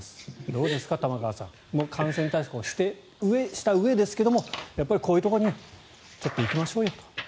どうですか、玉川さん感染対策をしたうえでですがこういうところに行きましょうよと。